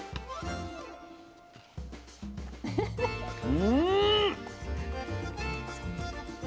うん！